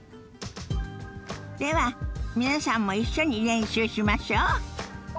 では皆さんも一緒に練習しましょ。